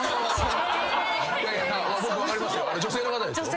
女性の方でしょ？